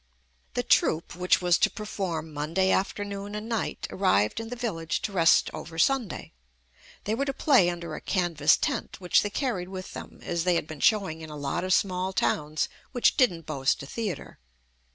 The troupe, which was to perform Monday afternoon and night, arrived in the village to rest over Sunday. ; They were to play under a canvas tent which they carried with them, as they had been showing in a lot of small towns which didn't boast a theatre.